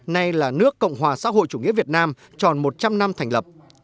nay là nước cộng hòa xã hội chủ nghĩa việt nam tròn một trăm linh năm thành lập